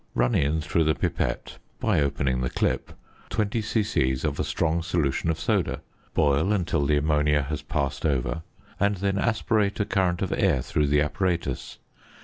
Run in through the pipette (by opening the clip) 20 c.c. of a strong solution of soda, boil until the ammonia has passed over, and then aspirate a current of air through the apparatus.